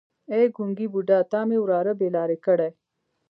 ای ګونګی بوډا تا مې وراره بې لارې کړی.